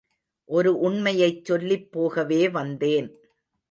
ஒரு உண்மையைச் சொல்லிப் போகவே வந்தேன்.